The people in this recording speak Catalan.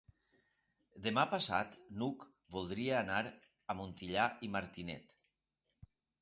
Demà passat n'Hug voldria anar a Montellà i Martinet.